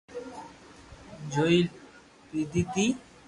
چوئي پيدي تي